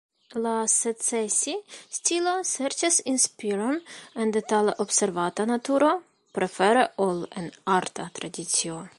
La "Secesi-stilo" serĉas inspiron en detale observata naturo, prefere ol en arta tradicio.